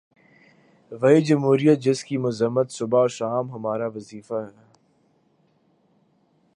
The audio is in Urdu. وہی جمہوریت جس کی مذمت صبح و شام ہمارا وظیفہ ہے۔